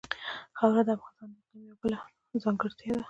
خاوره د افغانستان د اقلیم یوه بله لویه ځانګړتیا ده.